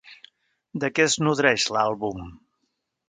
De què es nodreix l'àlbum?